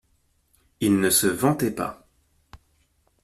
Il ne se vantait pas.